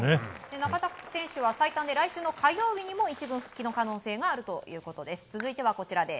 中田選手は最短で来週火曜日にも１軍復帰の可能性があるということです。